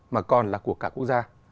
mà còn là của cả quốc gia